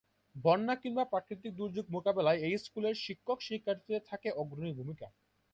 বন্যা কিংবা প্রাকৃতিক দুর্যোগ মোকাবেলায় এই স্কুলের শিক্ষক শিক্ষার্থীদের থাকে অগ্রণী ভূমিকা।